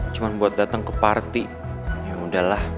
yaudah makan yuk